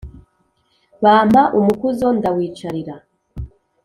bampa umukuzo ndawicarira.